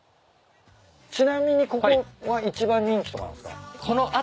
ちなみにここは一番人気とかなんすか？